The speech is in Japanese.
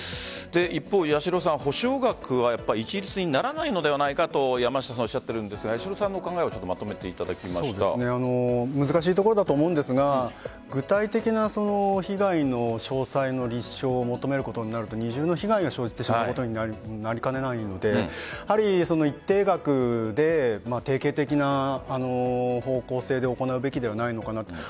一方、八代さん補償額は一律にならないのではないかと山下さん、おっしゃっていますがお考えを難しいところですが具体的な被害の詳細の立証を求めることになると二重の被害が生じてしまうことになりかねないのでやはり、一定額で定型的な方向性で行うべきではないのかなと。